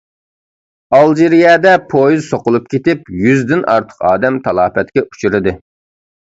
ئالجىرىيەدە پويىز سوقۇلۇپ كېتىپ، يۈزدىن ئارتۇق ئادەم تالاپەتكە ئۇچرىدى.